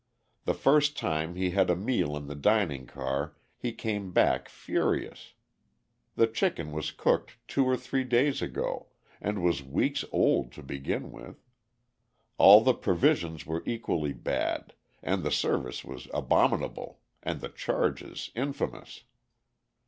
The first time he had a meal in the dining car he came back furious: the chicken was cooked two or three days ago, and was weeks old to begin with; all the provisions were equally bad, the service was abominable, and the charges infamous.